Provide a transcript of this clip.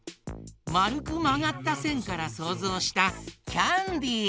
まるくまがったせんからそうぞうしたキャンディー。